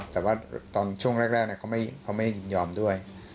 แต่ว่าตอนช่วงแรกเขาไม่ยินยอมด้วย